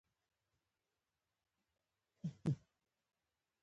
پابندي غرونه د افغان ځوانانو د هیلو استازیتوب کوي.